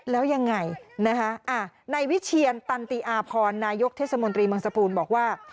แล้วยังไงนะคะในวิเชียรตันติอาพรนายกเทศมนตรีเมืองสตูนบอกว่า